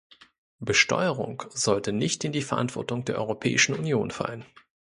Besteuerung sollte nicht in die Verantwortung der Europäischen Union fallen.